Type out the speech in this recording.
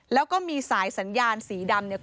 แล้วก็มีสายสัญญาณสีดำเนี่ย